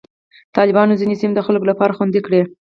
طالبانو ځینې سیمې د خلکو لپاره خوندي کړې.